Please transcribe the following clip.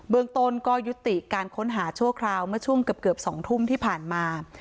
เมืองต้นก็ยุติการค้นหาชั่วคราวเมื่อช่วงเกือบ๒ทุ่มที่ผ่านมา